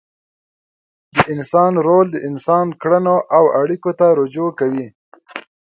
د انسان رول د انسان کړنو او اړیکو ته رجوع کوي.